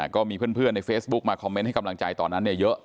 ก็มีเพื่อนในเฟซบุ๊กมาคอมเมนต์ให้กำลังใจตอนนั้นเยอะ